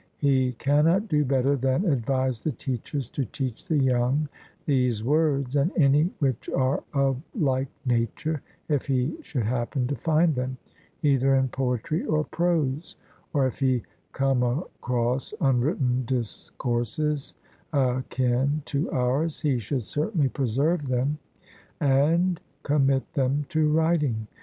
He cannot do better than advise the teachers to teach the young these words and any which are of a like nature, if he should happen to find them, either in poetry or prose, or if he come across unwritten discourses akin to ours, he should certainly preserve them, and commit them to writing.